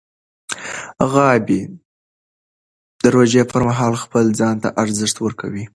غابي د روژې پر مهال خپل ځان ته ارزښت ورکوي.